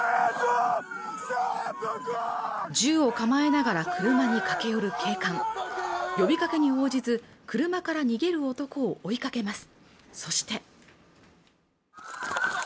銃を構えながら車に駆け寄る警官呼びかけに応じず車から逃げる男を追いかけます